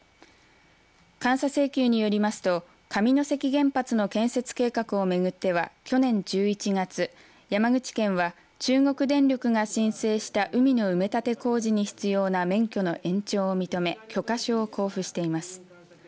監査請求によりますと上関原発の建設計画を巡っては去年１１月山口県は中国電力が申請した海の埋め立て工事に必要な免許の延長を認め許可証を交付しています。